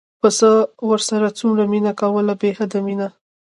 پسه ورسره څومره مینه کوله بې حده مینه.